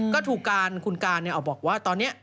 ก็ถูกการคุณการออกบอกว่าตอนนี้